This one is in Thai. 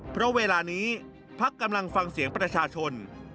เพราะเวลานี้พักกำลังฟังเสียงประชาชน